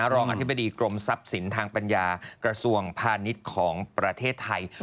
รองอธิบดีกรมทรัพย์สินทางปัญญากระทรวงพาณิชย์ของประเทศไทย